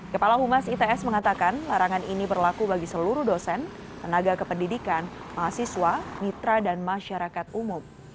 kepala humas its mengatakan larangan ini berlaku bagi seluruh dosen tenaga kependidikan mahasiswa mitra dan masyarakat umum